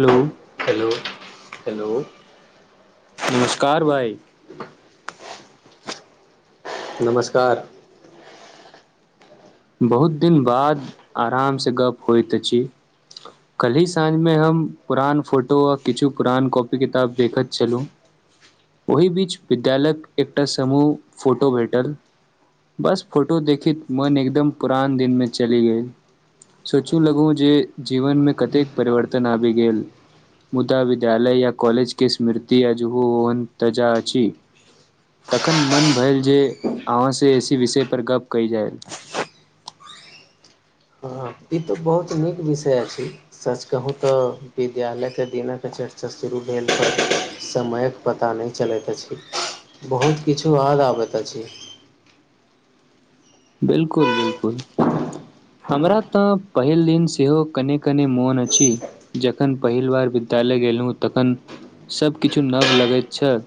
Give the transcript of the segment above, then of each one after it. Hello hello hello नमस्कार भाइ नमस्कार बहुत दिन बाद आराम से गप होइत अछि कल्हि साँझ मे हम पुरान फोटो आ किछु पुरान कॉपी किताब देखैत छलुं ओहि बीच विद्यालयक एकटा समूह फोटो भेटल बस फोटो देखैत मन एकदम पुरान दिन मे चलि गेल सोचू लगु जे जीवन मे कतेक परिवर्तन आबि गेल मुदा विद्यालय या कॉलेज के स्मृति अजहु ओहन तजा अछि तखन मन भयल जे अहाँ से इसी विषय पर गप कयल जाय हँ ई तऽ बहुत नीक विषय अछि सच कहूँ तऽ विद्यालयकेँ दिनक चर्चा शुरू भेल त समयक पता नहि चलैत अछि बहुत किछु याद आबैत अछि बिल्कुल बिल्कुल हमरा तऽ पहिल दिन सेहो कनी कनी मोन अछि जखन पहिले बार विद्यालय गेलहुँ तखन सभकिछु नव लगैत छल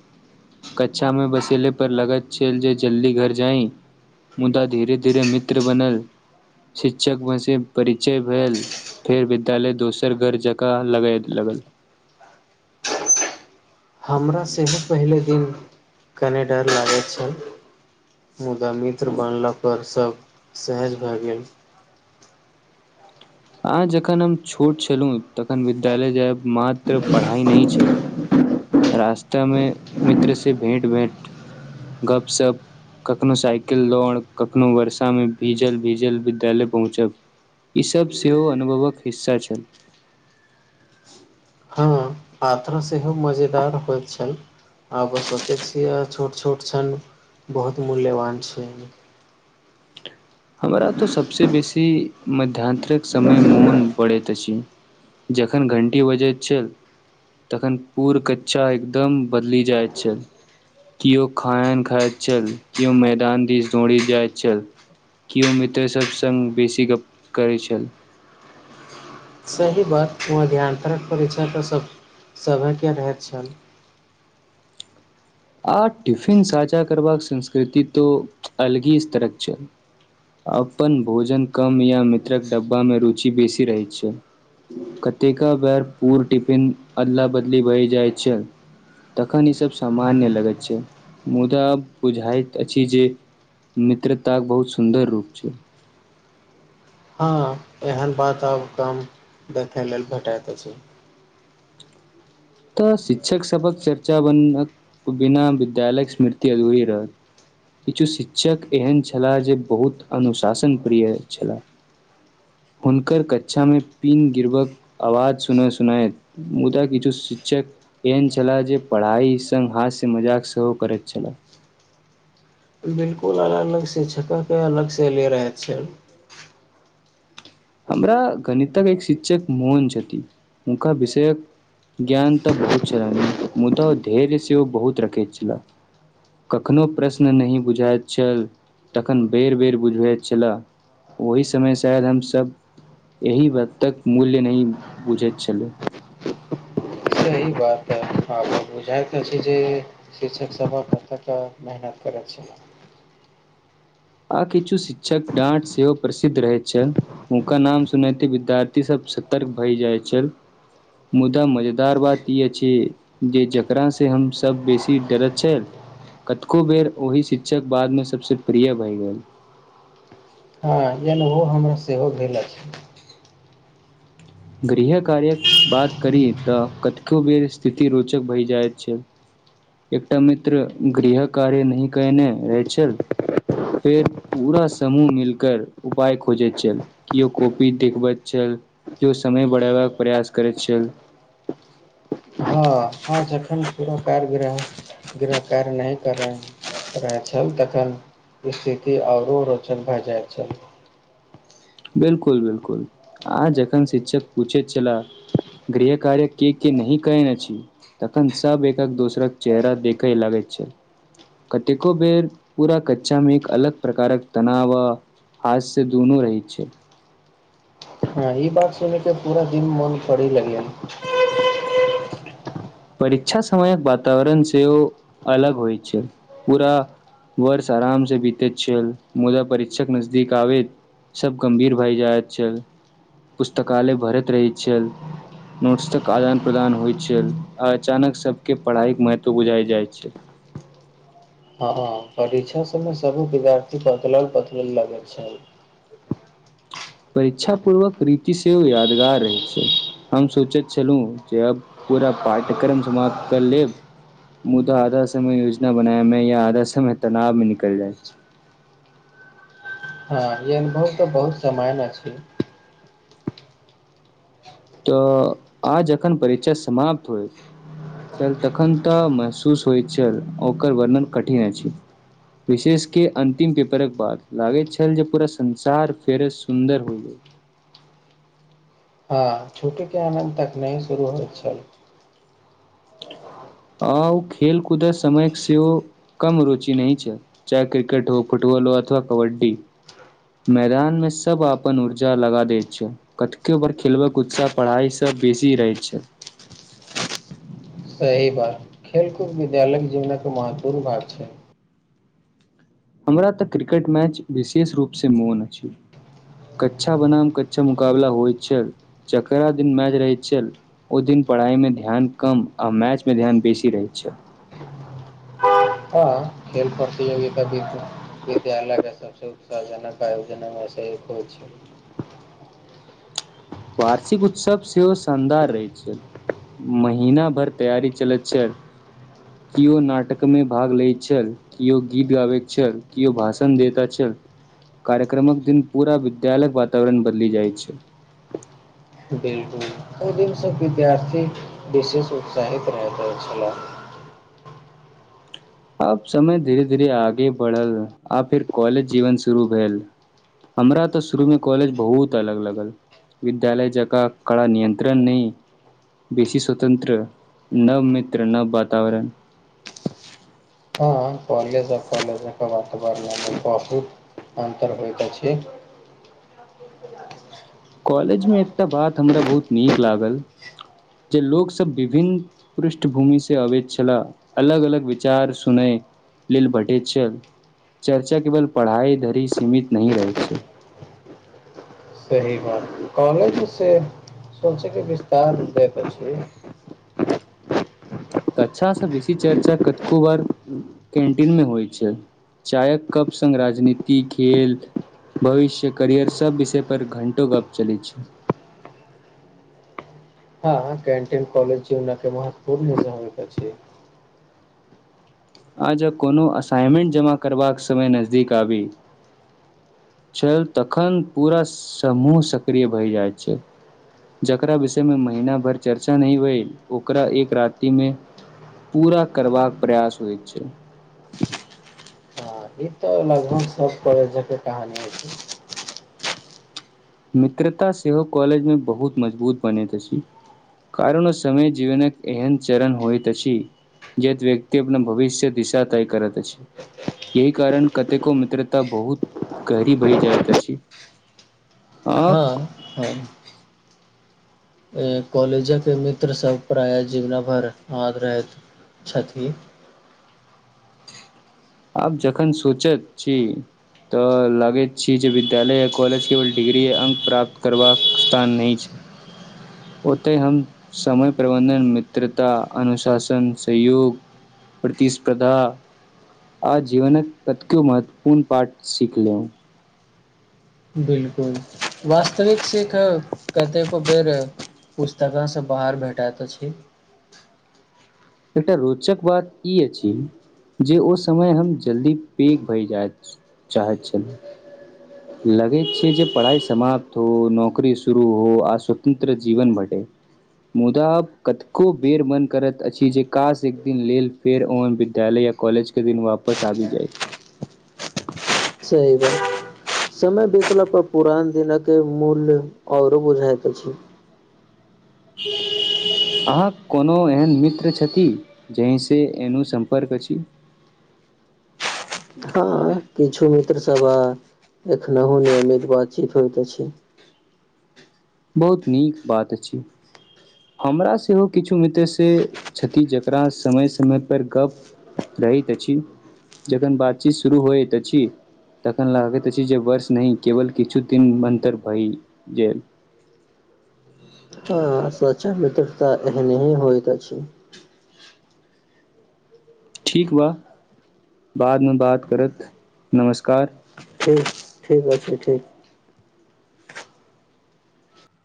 कक्षामे बसेले पर लगैत छल जे जल्दी घर जाइ मुदा धीरे धीरे मित्र बनल शिक्षक सँ परिचय भेल फेर विद्यालय दोसर घर जकाँ लागए लागल हमरा सेहो पहिले दिन कनेक डर लागैत छल मुदा मित्र बनला पर सभ सहज भए गेल आ जखन हम छोट छलहुँ तखन विद्यालय जायब मात्र पढ़ाई नहि छैक रास्ता मे मित्र से भेंट भेट गप सप कखनो साइकिल दौड़ कखनो वर्षा मे भीजल भीजल विद्यालय पहुँचब ई सब सेहो अनुभवक हिस्सा छल। पात्र सेहो मजेदार होइत छल आब सोचैत छियैक आ छोट छोट छन बहुत मूल्यवान छैक हमरा तऽ सभसँ बेसी मध्याहानतरिक समय मोन पड़ैत अछि जखन घण्टी बजैत छल तखन पूर कक्षा एकदम बदलि जाइत छल केओ खाना खाइत छल किओ मैदान दिस दौड़ि जाइत छल। केओ मित्रसभ सङ्ग बेसी गप करैत छल सही बात उहो ध्यान अरक परीक्षाकेऽ सभ सभेके रहैत छल आ टिफिन साझा करबाक संस्कृति त अलगे स्तरक छल अपन भोजन कम या मित्रक डब्बा मे रुचि बेसी रहैत छल कतेक बेर पूर टिफिन अदला बदली बहि जाय छल तखन ई सब सामान्य ल छै मुदा बुझाइत अछि जे मित्रता बहुत सुन्दर रूप छैक हँ एहन बात आब कम देखैय लेल भेटैत अछि तऽ शिक्षक सभक चर्चा बिना विद्यालयक स्मृति अधूरी रहत किछु शिक्षक एहन छलाह जे बहुत अनुशासन प्रिय छलाह हुनकर कक्षामे पीन गिरबाकक आवाज सुनय सुनैत मुदा किछु शिक्षक एहन छलाह जे पढ़ाई सङ्ग हास्य मजाक सेहो करैत छलाह बिलकुल आ अलग केँ अलग से ले रहय छैक हमरा गणितक एक शिक्षक मोहन छथिन हुनका विषयक ज्ञान तऽ बहुत छलनि मुदा धैर्य सेहो ओ बहुत रखैत छलाह कखनो प्रश्न नहि बुझाइत छल तखन बेर बेर बुझबैत छला ओहि समय शायद हमसभ एहि वक्तक मूल्य नहि बुझैत छलैक ऽ आ बुझइत अछि जे शिक्षक सब अपने मेहनत करैत छैक आ किछु शिक्षकक डाँट सेहो प्रसिद्ध रहैत छल हुनका नाम सुनते विद्यार्थी सब सतर्क भय जाय छल मुदा मजेदार बात ई अछि जे जेकरा से हमसभ बेसी डरैत छलहुँ कतको बेर ओहि शिक्षक बाद मे सबसे प्रिय भरि गेल हँ एनहो हमरा सेहो भेल अछि [unintelligible] केओ समय बढ़ेबाक प्रयास करैत छल हँ हँ जखन पुरा कार्य गह गृह कार्य नहि कर रहैय छल तखन स्थिति आरो रोचक भए जाइत छल बिल्कुल बिल्कुल आ जखन शिक्षक पूछैत छला गृह कार्य के के नहि केेने छी तखन सब एकक दोसरक चेहरा देखय लागैत छल कतेको बेर पूरा कक्षा मे एक अलग प्रकारक तनाव आ हाथ से दुनू रहैत अच्छा हँ ई बात सुनै केँ पूरा दिन मोन करय लगय परीक्षा समयक वातावरण सेहो अलग होइत छल पूरा वर्ष आराम से बीतैत छल मुदा परीक्षा नजदीक आबैत सब गम्भीर भय जाइत छल पुस्तकालय भरैत रहैत छल नोट्सक आदान प्रदान होइत छल अचानक सबकेँ पढ़ाई केँ महत्व बुझाय जाईत छैक हँ परीक्षा सबमे सब विद्यार्थी बदलल बदलल लगय छल परीक्षा पूर्वक रीति सेहो यादगार रहै छैक हम सोचैत छलहुँ जे अब पूरा पाठ्यक्रम समाप्त कर लेब मुदा आधा समय योजना बनायमे या आधा समय तनावमे निकल जाइत छैक हँ ई अनुभव तऽ बहुत समान अछि तऽ आ जखन परीक्षा समाप्त होइत छल तखन तऽ महसूस होइत छल ओकर वर्णन कठिन अछि विशेष के अन्तिम पेपरक बाद लागैत छल जे पूरा संसार फेर सुन्दर होइ गेल हँ छुट्टी के आनन्द तक नहि शुरू होइत छल [unintelligible] रहि बात खेलकूद विद्यालय जीवन केँ महत्वपूर्ण भाग छैक हमरा तऽ क्रिकेट मैच विशेष रूपसँ मोन अछि कच्छा बनाम कच्छा मुकाबला होइत छल जकरा दिन मैच रहैत छल ओ दिन पढ़ाईमे ध्यान कम आ मैच मे ध्यान बेसी रहैत छल हँ खेल प्रतियोगिता विद्यालयकेँ सबसँ उत्साहजनक आयोजन म सँ एक होइत छैक वार्षिक उत्सव सेहो शानदार रहैत छल महिना भरि तैयारी चलैत छल केओ नाटकमे भाग लैत छल केओ गीत गाबै छल केओ भाषण देता छल कार्यक्रमक दिन पूरा विद्यालयक वातावरण बदलि जाइत छल बिल्कुल ओहि दिनसँ विद्यार्थी विशेष उत्साहित रहि गेल छलह आब समय धीरे धीरे आगे बढ़ल आब फेर कॉलेज जीवन शुरू भेल हमरा तऽ शुरू मे कॉलेज बहुत अलग लगल विद्यालय जकाँ कड़ा नियंत्रण नहि बेसी स्वतंत्र नव मित्र नव वातावरण हँ कॉलेज ओर कॉलेजके बाद बारआमे बहुत अन्तर होइत अछि कॉलेज मे एकटा बात हमरा बहुत नीक लागल जे लोक सब विभिन्न पृष्ठभूमि से अबैत छलाह अलग अलग विचार सुनय लेल भेटैत छल चर्चा केवल पढ़ाई धरि सीमित नहि रहैत छै सही बात कॉलेजसँ सोचैकेँ विस्तार रुप अछी तऽ कक्षा बेसी चर्चा कतको बार कैन्टीन मे होइ छैक चायक कप संग् राजनीति खेल भविष्य करियर सब विषय पर घंटो गप चलैय छैक [unintelligible] आ ज कोनो असाइनमेंट जमा करबाक समय नजदीक आबी छल तखन पूरा समूह सक्रिय भए जाइत छै जकरा विषयमे महीना भरि चर्चा नहि भेल ओकरा एक राति मे पूरा करबाक प्रयास होइत छै हँ ई तऽ लगभग सब परजक कहानी अछि मित्रता सेहो कॉलेजमे बहुत मजबूत बनैत अछि कारण ओ समय जीवनक एहन चरण होइत अछि जे व्यक्ति अपना भविष्य दिशा तय करैत अछि यह कारण कतेको मित्रता बहुत गहरी भयी जाइत अछि आब हाँ हाँ कॉलेजक मित्रसभ प्रायः जीवनाभरि याद रहैत छथि आब जखन सोचैत छी तऽ लागैत छी जे विद्यालय आ कॉलेज केवल डिग्री अंक प्राप्त करबाक स्थान नहि छै ओतय हम समय प्रबन्धन मित्रता अनुशासन सहयोग प्रतिस्पर्धा आ जीवन कतको महत्वपूर्ण पाठ सीखलहुं बिल्कुल वास्त विक सीख अय कतेको बेर पुस्तकासँ बाहर भेटैतऽ छी एकटा रोचक बात ई अछि जे ओ समय हम जल्दी पैघ भय जाइत चाहैत छलहुँ लगैत छै जे पढ़ाई समाप्त हो नौकरी शुरू हो आ स्वतंत्र जीवन भेटय मुदा कतको बेर मन करैत अछि जे काश एक दिन लेल फेर ओह विद्यालय या कॉलेज के दिन वापस आबि जाय सही बात समय बीतला पर पुरान दिनक के मूल्य औरो बुझायत अछि [unintelligible] अहाँक कोनो एहन मित्र छथि जेहिसँ एनो सम्पर्क अछि हँ किछु मित्र सब एखनहु नियमित बातचीत होइत अछि बहुत नीक बात अछि हमरा सेहो किछु मित्र से छति जेकरा समय समयपर गप रहैत अछि जखन बातचीत शुरू होइत अछि तखन लागैत अछि जे वर्ष नहि केवल किछु दिन अन्तर भय गेल [inaudible] हं सचा मित्रता एहने ही होइत अछि ठीक बा बादमे बात करत नमस्कार ठीक ठीक अछी ठीक